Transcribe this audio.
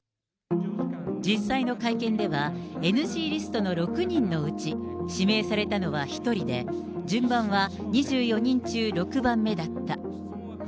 実際の会見では、ＮＧリストの６人のうち、指名されたのは１人で、順番は２４人中６番目だった。